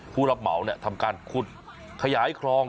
ผู้รับเหมาทำการขุดขยายคลอง